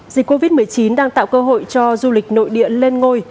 dịch covid một mươi chín đang tạo cơ hội cho du lịch nội địa lên ngôi